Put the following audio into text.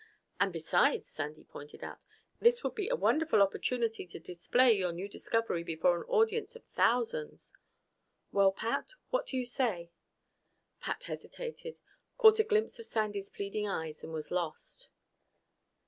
"And besides," Sandy pointed out, "this would be a wonderful opportunity to display your new discovery before an audience of thousands. Well, Pat? What do you say?" Pat hesitated, caught a glimpse of Sandy's pleading eyes, and was lost.